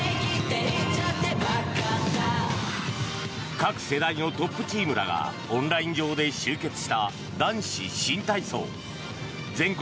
各世代のトップチームらがオンライン上で集結した男子新体操全国